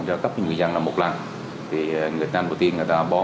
và người dân là một người dân